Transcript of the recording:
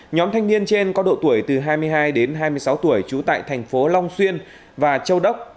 nhóm thanh niên trên có độ tuổi từ hai mươi hai đến hai mươi sáu tuổi trú tại thành phố long xuyên và châu đốc